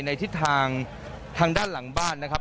ในทิศทางทางด้านหลังบ้านนะครับ